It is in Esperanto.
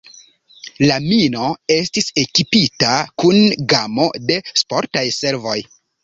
La mino estis ekipita kun gamo de sportaj servoj.